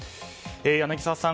柳澤さん